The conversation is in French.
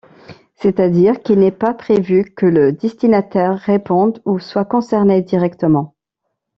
C'est-à-dire qu'il n'est pas prévu que le destinataire réponde ou soit concerné directement.